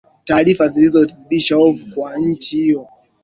taarifa zilizo zidisha hofu kwa nchi hiyo